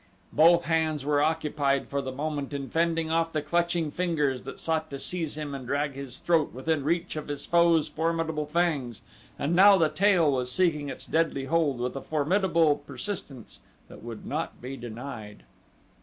Both hands were occupied for the moment in fending off the clutching fingers that sought to seize him and drag his throat within reach of his foe's formidable fangs and now the tail was seeking its deadly hold with a formidable persistence that would not be denied.